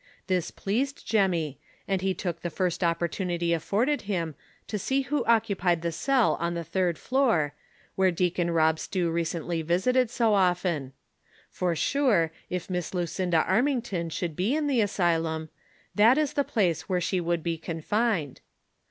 This pleased Jemmy, and he took the first opportu nity afforded him to see who occupied the cell on the third floor, wliere Deacon Reb Stew recently visited so often ; for sui e, if Miss Lucinda Arniington should be in the asylum, that is the place where she would be confined.